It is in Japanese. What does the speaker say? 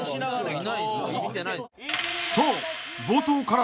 ［そう］